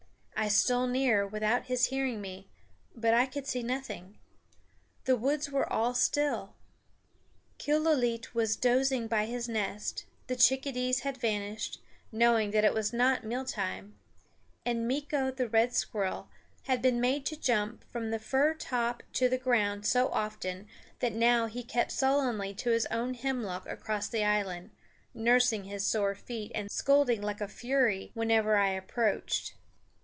I stole nearer without his hearing me; but I could see nothing. The woods were all still. Killooleet was dozing by his nest; the chickadees had vanished, knowing that it was not meal time; and Meeko the red squirrel had been made to jump from the fir top to the ground so often that now he kept sullenly to his own hemlock across the island, nursing his sore feet and scolding like a fury whenever I approached.